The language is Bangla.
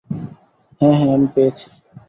হ্যাঁ, হ্যাঁ, আমি পেয়েছি।